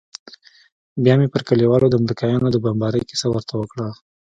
بيا مې پر كليوالو د امريکايانو د بمبارۍ كيسه ورته وكړه.